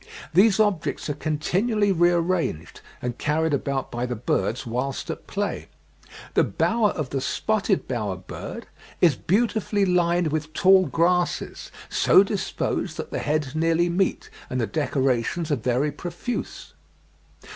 These objects are continually re arranged, and carried about by the birds whilst at play. The bower of the Spotted bower bird "is beautifully lined with tall grasses, so disposed that the heads nearly meet, and the decorations are very profuse."